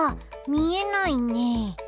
みえないね。